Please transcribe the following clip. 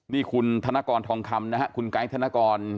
นี่คุณธนกรทองคำนะฮะคุณไกด์ธนกร